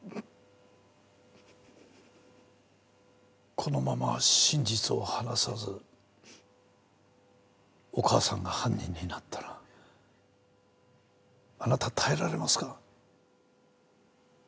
このまま真実を話さずお義母さんが犯人になったらあなた耐えられますか？